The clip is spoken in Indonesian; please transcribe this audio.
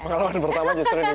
pengalaman pertama justru dia